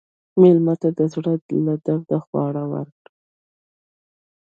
مېلمه ته د زړه له درده خواړه ورکړه.